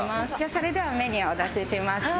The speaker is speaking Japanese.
それではメニューをお出ししますね。